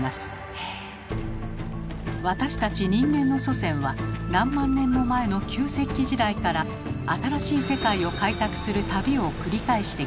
私たち人間の祖先は何万年も前の旧石器時代から新しい世界を開拓する旅を繰り返してきました。